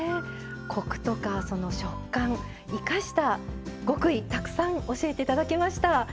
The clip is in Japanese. コクとか食感生かした極意たくさん教えて頂きました。